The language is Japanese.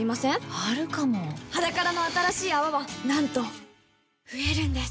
あるかも「ｈａｄａｋａｒａ」の新しい泡はなんと増えるんです